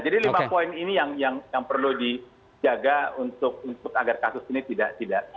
jadi lima poin ini yang perlu dijaga untuk agar kasus ini tidak